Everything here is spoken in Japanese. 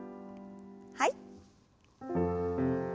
はい。